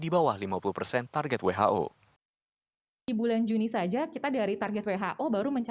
bawah lima puluh persen target who